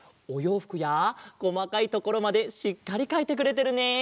おようふくやこまかいところまでしっかりかいてくれてるね！